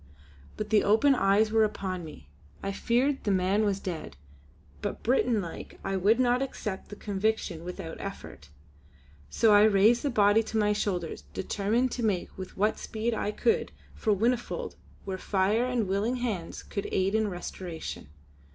But the open eyes were upon me; I feared the man was dead, but Briton like I would not accept the conviction without effort. So I raised the body to my shoulders, determined to make with what speed I could for Whinnyfold where fire and willing hands could aid in restoration.